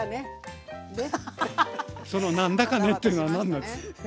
その何だかねっていうのは何なんです？